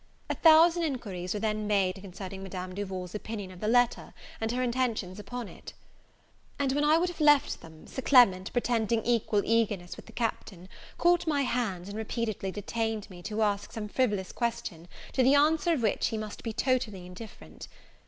A thousand inquiries were then made concerning Madame Duval's opinion of the letter, and her intentions upon it: and when I would have left them, Sir Clement, pretending equal eagerness with the Captain, caught my hand, and repeatedly detained me, to ask some frivolous question, to the answer of which he must be totally indifferent.